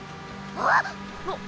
あっ。